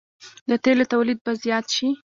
د تیلو تولید به زیات شي.